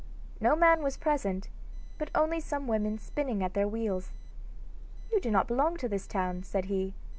No man was present, but only some women spinning at their wheels. 'You do not belong to this town,' said he.